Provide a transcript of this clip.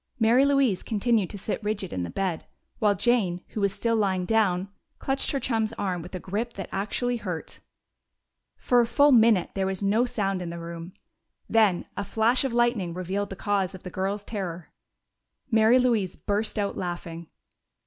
Mary Louise continued to sit rigid in the bed, while Jane, who was still lying down, clutched her chum's arm with a grip that actually hurt. For a full minute there was no sound in the room. Then a flash of lightning revealed the cause of the girls' terror. Mary Louise burst out laughing.